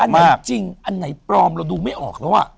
ไหนจริงอันไหนปลอมเราดูไม่ออกแล้ว